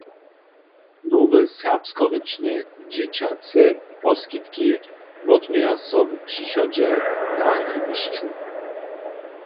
Nowe serbskorěčne dźěćace poskitki wotměja so w přichodźe na jewišću.